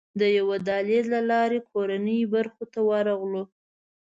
د یوه دهلېز له لارې کورنۍ برخې ته ورغلو.